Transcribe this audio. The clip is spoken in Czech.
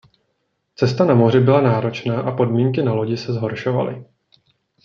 Cesta na moři byla náročná a podmínky na lodi se zhoršovaly.